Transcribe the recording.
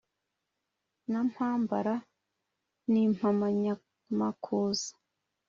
Na Mpambara n'Impamanyamakuza